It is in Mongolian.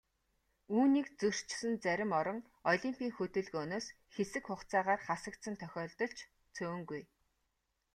Үүнийг зөрчсөн зарим орон олимпын хөдөлгөөнөөс хэсэг хугацаагаар хасагдсан тохиолдол ч цөөнгүй.